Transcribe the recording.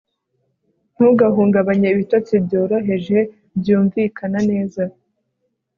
Ntugahungabanye ibitotsi byoroheje byumvikana neza